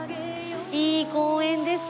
いい公園ですね。